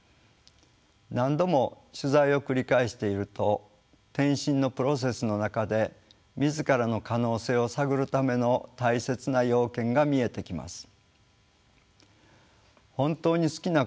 何度も取材を繰り返していると転身のプロセスの中で自らの可能性を探るための大切な要件が見えてきます。